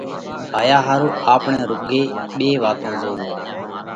هايا ۿارُو آپڻئہ روڳي ٻي واتون زووو۔